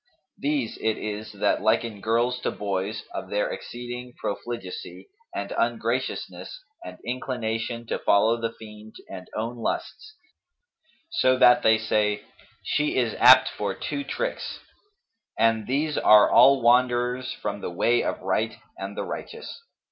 These it is that liken girls to boys, of their exceeding profligacy and ungraciousness and inclination to follow the fiend and own lusts, so that they say, 'She is apt for two tricks,'[FN#245] and these are all wanderers from the way of right and the righteous.